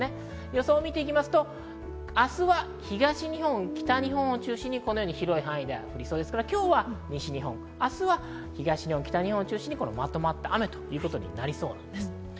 予想を見ていきますと、明日は東日本、北日本を中心に広い範囲で雨、今日は西日本、明日は東日本、北日本を中心にまとまった雨というふうになりそうです。